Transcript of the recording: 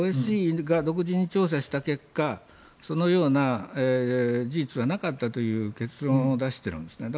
ＯＳＣＥが独自に調査した結果そのような事実はなかったという結論を出しているんです。